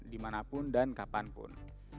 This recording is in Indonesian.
dimanapun dan kapanpun